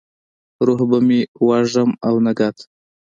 روح به مې وږم او نګهت،